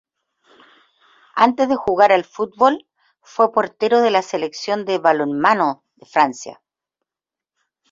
Antes de jugar al fútbol, fue portero de la selección de balonmano de Francia.